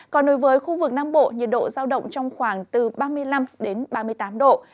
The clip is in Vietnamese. còn đối với khu vực nam bộ nhiệt độ giao động trong khoảng từ ba mươi năm ba mươi tám độ